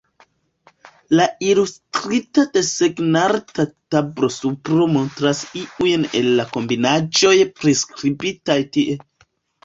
La ilustrita desegn-arta tablo-supro montras iujn el la kombinaĵoj priskribitaj tie.